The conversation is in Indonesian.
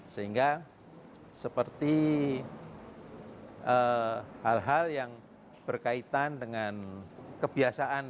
sehingga seperti hal hal yang berkaitan dengan kebiasaan